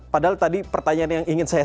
padahal tadi pertanyaan yang ingin saya